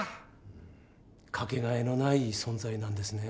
掛けがえのない存在なんですね。